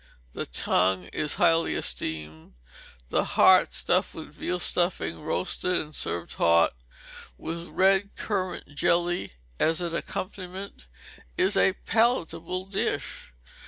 The Tongue is highly esteemed. The Heart, stuffed with veal stuffing, roasted, and served hot, with red currant jelly as an accompaniment, is a palatable dish.